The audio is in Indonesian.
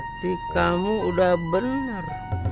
berarti kamu udah bener